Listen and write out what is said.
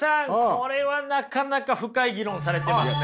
これはなかなか深い議論されてますね。